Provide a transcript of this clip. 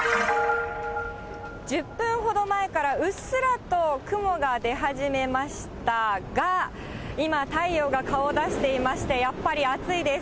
１０分ほど前からうっすらと雲が出始めましたが、今、太陽が顔を出していまして、やっぱり暑いです。